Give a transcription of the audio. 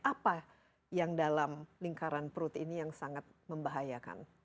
apa yang dalam lingkaran perut ini yang sangat membahayakan